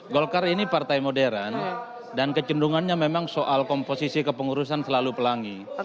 golkar ini partai modern dan kecenderungannya memang soal komposisi kepengurusan selalu pelangi